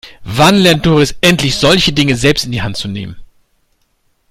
Wann lernt Doris endlich, solche Dinge selbst in die Hand zu nehmen?